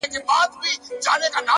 مثبت ذهن پر حل لارو تمرکز کوي.!